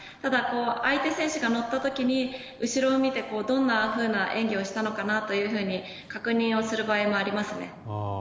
相手選手が乗った時に後ろを見てどんなふうな演技をしたのかなというふうに確認をする場合もありますね。